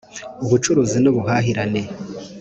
Ubucuruzi n’ubuhahirane